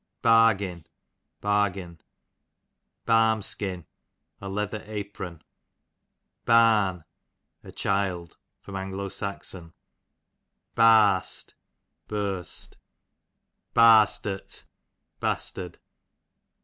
Bargin, bargain. Barmskin, a leather apron. Barn, a child. A. S. Barst, burst. Bastert, bastard.